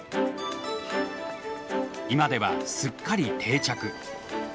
今ではすっかり定着。